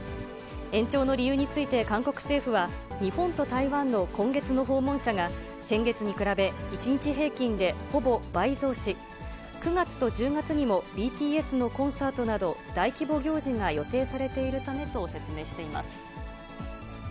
延長の理由について韓国政府は、日本と台湾の今月の訪問者が、先月に比べ、１日平均でほぼ倍増し、９月と１０月にもＢＴＳのコンサートなど、大規模行事が予定されているためと説明しています。